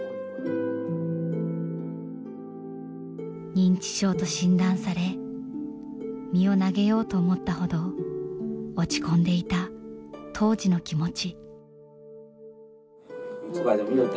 認知症と診断され身を投げようと思ったほど落ち込んでいた当時の気持ち。